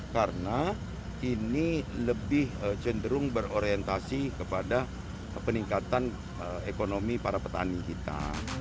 karena ini lebih cenderung berorientasi kepada peningkatan ekonomi para petani kita